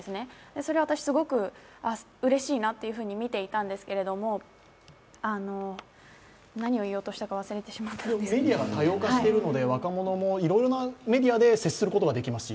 それを私、すごくうれしいなというふうに見ていたんですが、何を言おうとしたか忘れてしまったんですけどメディアが多様化しているので、若者もいろんなメディアで接することができますし。